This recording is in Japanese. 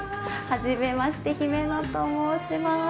はじめまして姫野と申します。